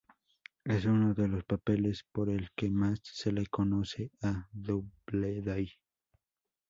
Es uno de los papeles por el que más se le conoce a Doubleday.